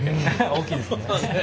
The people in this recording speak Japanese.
大きいですね。